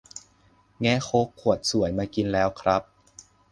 แงะโค้กขวดสวยมากินแล้วครับ